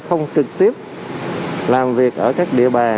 không trực tiếp làm việc